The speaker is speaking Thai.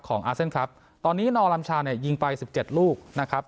ของอาเซนครับตอนนี้นอลัมชายิงไปสิบเจ็ดลูกนะครับ